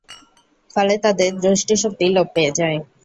ফলে তাদের দৃষ্টিশক্তি লোপ পেয়ে যায়।